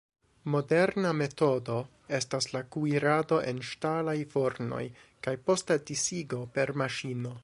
Moderna metodo estas la kuirado en ŝtalaj fornoj kaj posta disigo per maŝino.